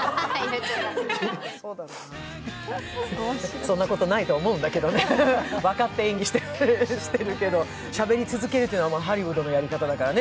そんなことないと思うんだけど分かって演技してるけど、しゃべり続けるというのはハリウッドのやり方だからね。